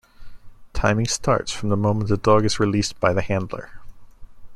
Timing starts from the moment the dog is released by the handler.